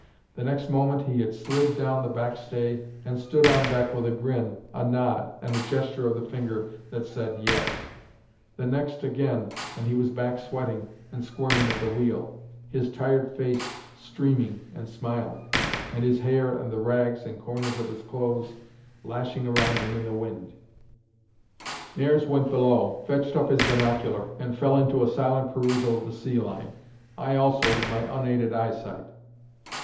The next moment, he had slid down the backstay and stood on deck, with a grin, a nod, and a gesture of the finger that said "yes"; the next again, and he was back sweating and squirming at the wheel, his tired face streaming and smiling, and his hair and the rags and corners of his clothes lashing round him in the wind. Nares went below, fetched up his binocular, and fell into a silent perusal of the sea line; I also, with my unaided eyesight.